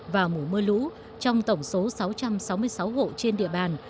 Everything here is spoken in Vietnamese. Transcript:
vào mùa mưa lũ trong tổng số sáu trăm sáu mươi sáu hộ trên địa bàn